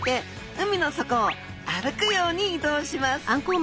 海の底を歩くように移動します。